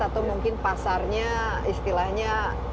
atau mungkin pasarnya istilahnya